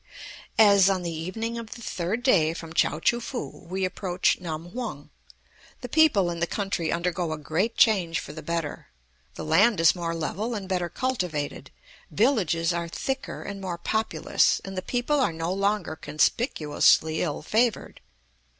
As, on the evening of the third day from Chao choo foo, we approach Nam hung, the people and the country undergo a great change for the better. The land is more level and better cultivated; villages are thicker and more populous, and the people are no longer conspicuously ill favored.